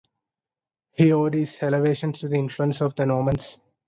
He owed his elevation to the influence of the Normans.